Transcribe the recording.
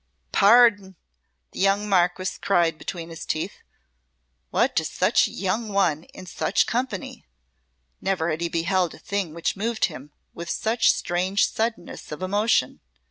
"Pardi!" the young Marquess cried between his teeth. "What does such a young one in such company?" Never had he beheld a thing which moved him with such strange suddenness of emotion.